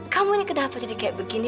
kamu nih kenapa jadi kayak begini